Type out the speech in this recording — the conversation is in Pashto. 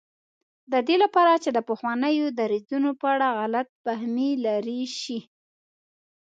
د دې لپاره چې د پخوانیو دریځونو په اړه غلط فهمي لرې شي.